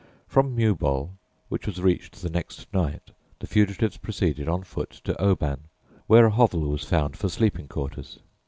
From Mewboll, which was reached the next night, the fugitives proceeded on foot to Oban, where a hovel was found for sleeping quarters.